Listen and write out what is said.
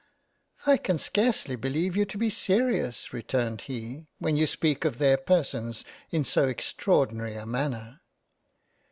" I can scarcely beleive you to be serious (returned he) when you speak of their persons in so extroidinary a Manner.